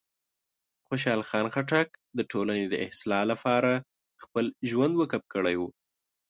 خوشحال خان خټک د ټولنې د اصلاح لپاره خپل ژوند وقف کړی و.